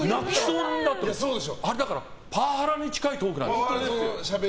あれ、パワハラに近いトークなんですね。